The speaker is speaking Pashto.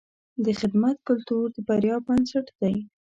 د خدمت کلتور د بریا بنسټ دی.